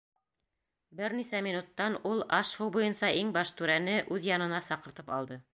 Бер нисә минуттан ул аш-һыу буйынса иң баш түрәне үҙ янына саҡыртып алды.